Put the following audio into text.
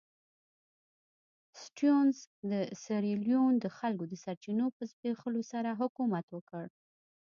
سټیونز د سیریلیون د خلکو د سرچینو په زبېښلو سره حکومت وکړ.